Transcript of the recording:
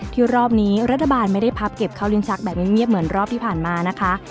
รอบนี้รัฐบาลไม่ได้พับเก็บข้าวลิ้นชักแบบเงียบเหมือนรอบที่ผ่านมานะคะ